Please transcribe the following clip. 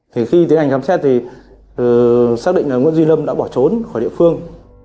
thì khi tiến hành khám xét thì xác định là nguyễn duy lâm đã bỏ trốn khỏi địa phương